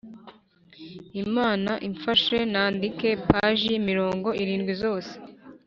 Imana imfashe nandike paji mirongo irindwi zose